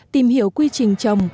tìm hiểu quy trình trồng